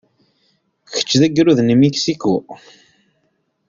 Kečč d agrud n Mexico?